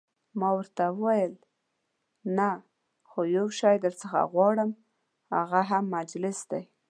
ما ورته وویل: نه، خو یو شی درڅخه غواړم، هغه هم مجلس دی.